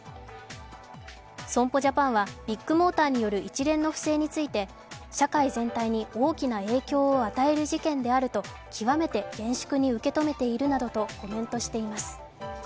損保ジャパンはビッグモーターによる一連の不正について社会全体に大きな影響を与える事件であると極めて厳粛に受け止めているなどとコメントしています。